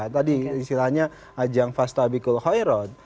tadi istilahnya ajang fastabikul hoirot